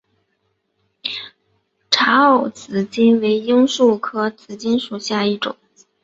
察隅紫堇为罂粟科紫堇属下的一个种。